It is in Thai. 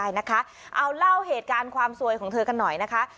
ใช่นะคะเอาเล่าเหตุการณ์ความสวยของเธอกันหน่อยนะคะ